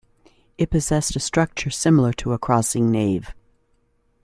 It possessed a structure similar to a crossing nave.